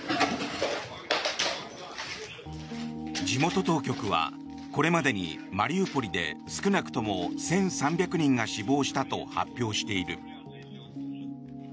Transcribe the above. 地元当局はこれまでにマリウポリで少なくとも１３００人が死亡したと発表している。